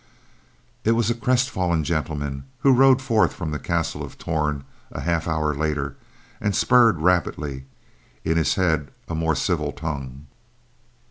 It was a crestfallen gentleman who rode forth from the castle of Torn a half hour later and spurred rapidly—in his head a more civil tongue.